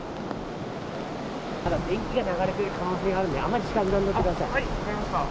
まだ電気が流れている可能性があるので、あまり近づかないでください。